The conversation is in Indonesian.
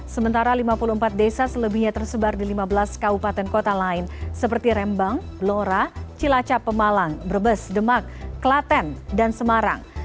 sementara lima puluh empat desa selebihnya tersebar di lima belas kabupaten kota lain seperti rembang blora cilacap pemalang brebes demak klaten dan semarang